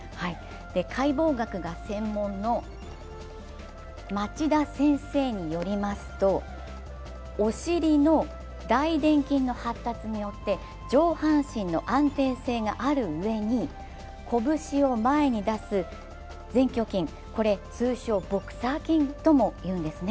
解剖学が専門の町田先生によりますとお尻の大臀筋の発達によって、上半身の安定性があるうえに、拳を前に出す前鋸筋、これ通称ボクサー筋とも言うんですね。